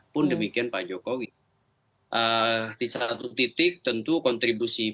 pun demikian pak jokowi